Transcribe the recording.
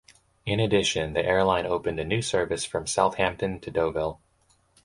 In addition, the airline opened a new service from Southampton to Deauville.